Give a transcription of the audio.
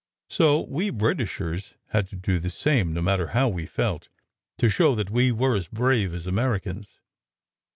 So we Britishers had to do the same, no matter how we felt, to show that we were as brave as Americans.